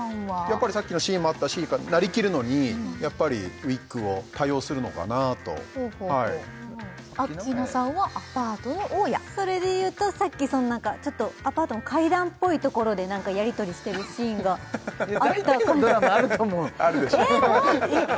やっぱりさっきのシーンもあったしなりきるのにやっぱりウィッグを多用するのかなとはいアッキーナさんはアパートの大家それでいうとさっきちょっとアパートの階段っぽいところでなんかやりとりしてるシーンが大体のドラマあると思うあるでしょうえっ